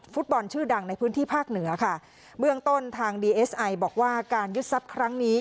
ฟุตบอลชื่อดังในพื้นที่ภาคเหนือค่ะเบื้องต้นทางดีเอสไอบอกว่าการยึดทรัพย์ครั้งนี้